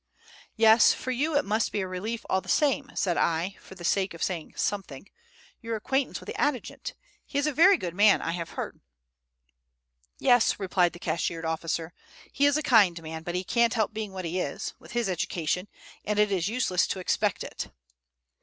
"Yes; for you it must be a relief all the same," said I, for the sake of saying something, "your acquaintance with the adjutant. He is a very good man, I have heard." "Yes," replied the cashiered officer, "he is a kind man; but he can't help being what he is, with his education, and it is useless to expect it."